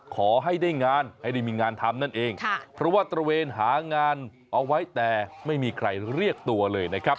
ขอให้ได้งานให้ได้มีงานทำนั่นเองค่ะเพราะว่าตระเวนหางานเอาไว้แต่ไม่มีใครเรียกตัวเลยนะครับ